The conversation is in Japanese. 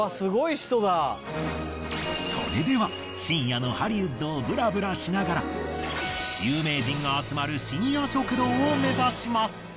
それでは深夜のハリウッドをブラブラしながら有名人が集まる深夜食堂を目指します。